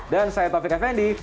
dan saya taufik effendi